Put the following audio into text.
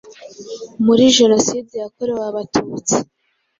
muri Jenoside yakorewe Abatutsi